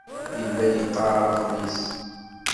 Yella yeqqar aɣmis.